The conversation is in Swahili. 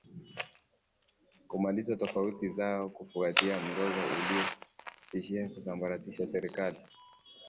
kumaliza tofauti zao kufuatia mzozo uliotishia kusambaratisha serikali